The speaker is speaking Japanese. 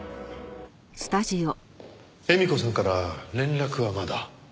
絵美子さんから連絡はまだ？